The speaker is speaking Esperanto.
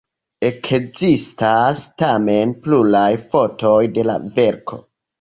Ekzistas tamen pluraj fotoj de la verko.